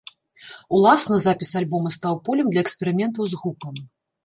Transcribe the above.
Уласна запіс альбома стаў полем для эксперыментаў з гукам.